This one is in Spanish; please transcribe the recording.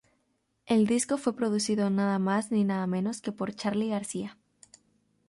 El disco fue producido nada más ni nada menos que por Charly García.